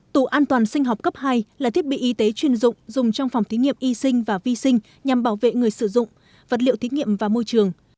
tủ an toàn sinh học cấp hai là thiết bị y tế chuyên dụng dùng trong phòng thí nghiệm y sinh và vi sinh nhằm bảo vệ người sử dụng vật liệu thí nghiệm và môi trường